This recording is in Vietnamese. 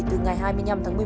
từ ngày hai mươi năm tháng năm